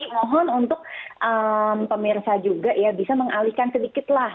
mohon untuk pemirsa juga ya bisa mengalihkan sedikitlah